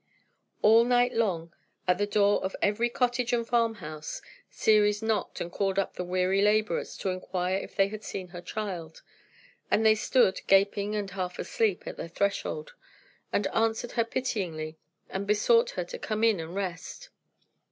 All night long, at the door of every cottage and farmhouse, Ceres knocked and called up the weary labourers to inquire if they had seen her child; and they stood, gaping and half asleep, at the threshold, and answered her pityingly, and besought her to come in and rest.